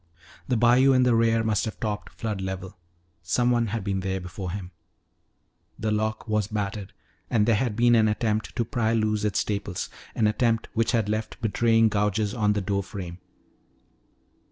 The bayou in the rear must have topped flood level. Someone had been there before him. The lock was battered and there had been an attempt to pry loose its staples, an attempt which had left betraying gouges on the door frame.